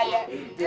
aduh aduh aduh